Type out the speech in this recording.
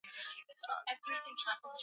Teknologia imazindua uvumbuzi mpya.